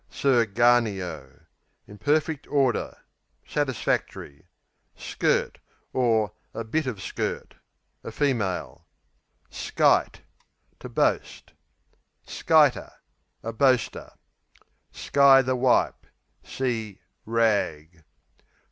Sir Garneo In perfect order; satisfactory. Skirt or bit of skirt A female. Skite To boast. Skiter A boaster. Sky the wipe See "rag."